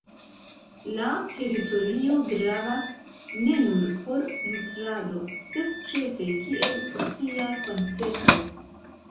La teritorio gravas ne nur por nutrado sed ĉefe kiel socia koncepto.